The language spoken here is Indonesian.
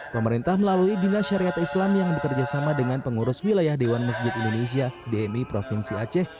pemerintah melalui dinas syariat islam yang bekerja sama dengan pengurus wilayah dewan masjid indonesia dmi provinsi aceh